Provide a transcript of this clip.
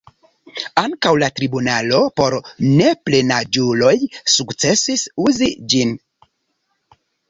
Ankaŭ la tribunalo por neplenaĝuloj sukcesis uzi ĝin.